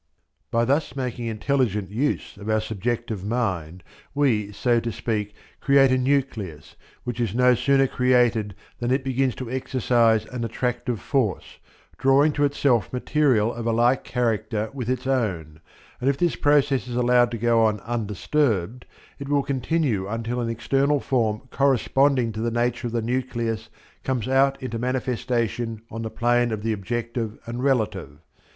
By thus making intelligent use of our subjective mind, we, so to speak, create a nucleus, which is no sooner created than it begins to exercise an attractive force, drawing to itself material of a like character with its own, and if this process is allowed to go on undisturbed, it will continue until an external form corresponding to the nature of the nucleus comes out into manifestation on the plane of the objective and relative.